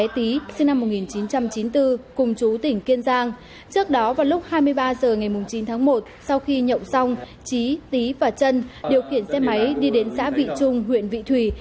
trước đó vào lúc hai mươi ba h ngày chín tháng một sau khi nhậu xong trí tý và trân điều khiển xe máy đi đến xã vị trung huyện vị thủy